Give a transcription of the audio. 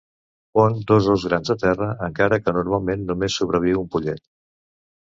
Pon dos ous grans a terra, encara que normalment, només sobreviu un pollet.